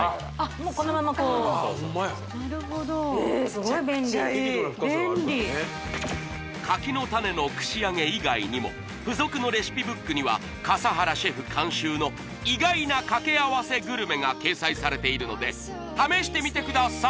もうこのままこうなるほどすごい便利柿の種の串揚げ以外にも付属のレシピブックには笠原シェフ監修の意外な掛け合わせグルメが掲載されているので試してみてください！